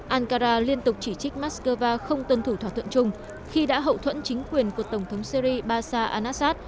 ankara liên tục chỉ trích moscow không tuân thủ thỏa thuận chung khi đã hậu thuẫn chính quyền của tổng thống syri basa anasat